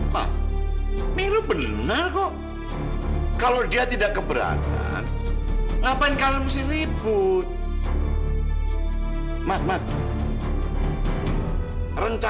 sampai jumpa di video selanjutnya